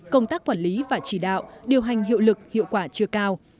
công tác quản lý và chỉ đạo điều hành hiệu lực hiệu quả chưa cao